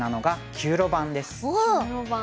９路盤。